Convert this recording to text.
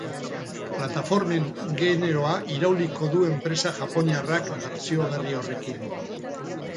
Plataformen generoa irauliko du enpresa japoniarrak bertsio berri horrekin.